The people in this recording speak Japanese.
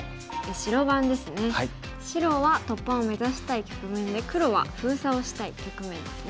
白は突破を目指したい局面で黒は封鎖をしたい局面ですね。